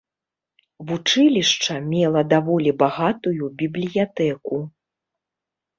Вучылішча мела даволі багатую бібліятэку.